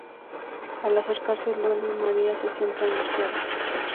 Al acercarse el duelo, María se siente angustiada.